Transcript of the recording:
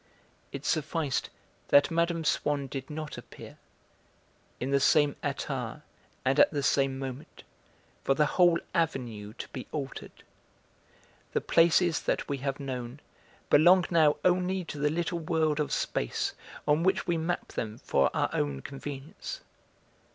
It sufficed that Mme. Swann did not appear, in the same attire and at the same moment, for the whole avenue to be altered. The places that we have known belong now only to the little world of space on which we map them for our own convenience.